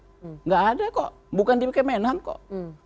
tidak ada kok bukan di kemenhan kok